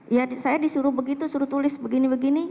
iya saya disuruh begitu disuruh tulis begini begini